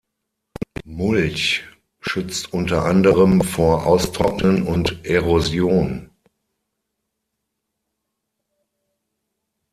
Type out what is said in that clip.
Mulch schützt unter anderem vor Austrocknen und Erosion.